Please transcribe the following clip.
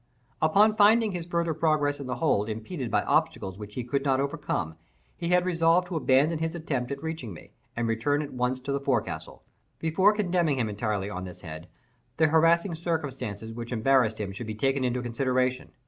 Upon finding his further progress in the hold impeded by obstacles which he could not overcome, he had resolved to abandon his attempt at reaching me, and return at once to the forecastle. Before condemning him entirely on this head, the harassing circumstances which embarrassed him should be taken into consideration.